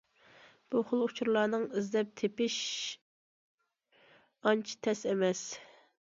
بۇ خىل ئۇچۇرلارنىڭ ئىزدەپ تېپىش ئانچە تەس ئەمەس.